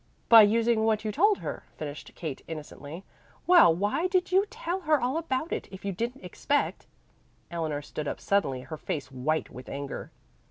"By using what you told her," finished Kate innocently. "Well, why did you tell her all about it, if you didn't expect " Eleanor stood up suddenly, her face white with anger.